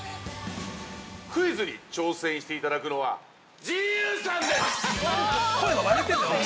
◆クイズに挑戦していただくのはＧＵさんです。